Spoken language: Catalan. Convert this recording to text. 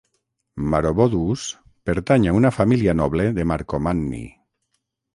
Maroboduus pertany a una família noble de Marcomanni.